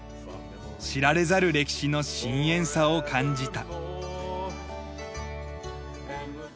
知られざる歴史の深遠さを感じた。